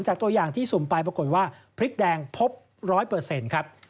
จากตัวอย่างที่สุ่มไปปรากฏว่าพริกแดงพบร้อยเปอร์เซ็นต์ครับ